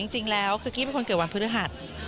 จริงแล้วคือกี้เป็นคนเกิดวันพฤหัส